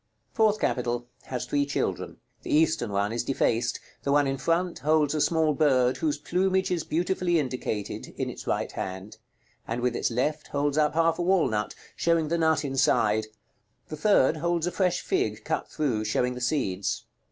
FOURTH CAPITAL. Has three children. The eastern one is defaced: the one in front holds a small bird, whose plumage is beautifully indicated, in its right hand; and with its left holds up half a walnut, showing the nut inside: the third holds a fresh fig, cut through, showing the seeds.